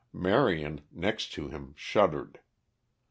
Marion, next to him, shuddered.